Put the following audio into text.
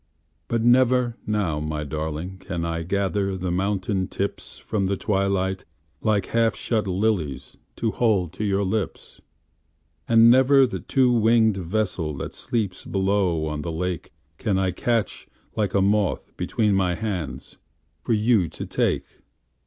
But never now, my darlingCan I gather the mountain tipsFrom the twilight like half shut liliesTo hold to your lips. And never the two winged vesselThat sleeps below on the lakeCan I catch like a moth between my handsFor you to take.